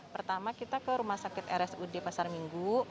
pertama kita ke rumah sakit rsud pasar minggu